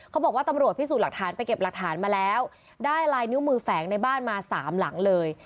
เขาบอกว่าตำรวจพิสูจน์หลักฐานไปเก็บหลักฐานมาแล้วได้ลายนิ้วมือแฝงในบ้านมาสามหลังเลย